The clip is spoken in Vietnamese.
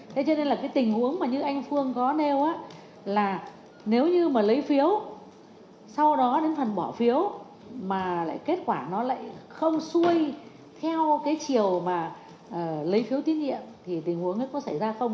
thế cho nên là cái tình huống mà như anh phương có nêu là nếu như mà lấy phiếu sau đó đến phần bỏ phiếu mà lại kết quả nó lại không xuôi theo cái chiều mà lấy phiếu tín nhiệm thì tình huống ấy có xảy ra không